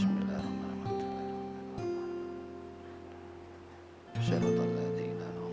mbak pak syariah boy yak